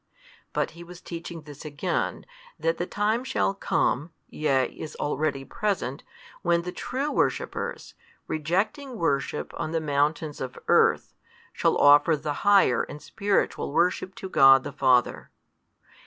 But He was teaching this again, that the time shall come, yea, is already present, when the true worshippers, rejecting worship on the mountains of earth, shall offer the higher and spiritual worship to God the Father.